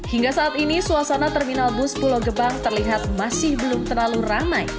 hingga saat ini suasana terminal bus pulau gebang terlihat masih belum terlalu ramai